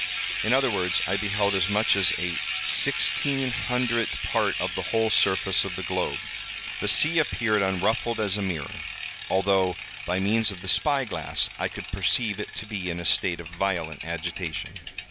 In other words, I beheld as much as a sixteen hundredth part of the whole surface of the globe. The sea appeared unruffled as a mirror, although, by means of the spy glass, I could perceive it to be in a state of violent agitation.